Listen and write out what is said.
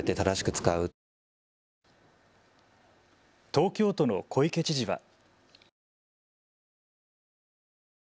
東京都の小池知事は。